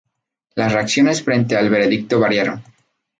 Las reacciones frente al veredicto variaron.